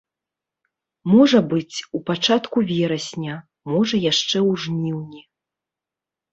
Можа быць, у пачатку верасня, можа яшчэ ў жніўні.